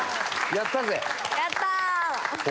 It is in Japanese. やったー！